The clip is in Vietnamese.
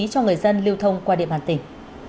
cho người dân liêu thông qua địa bàn tỉnh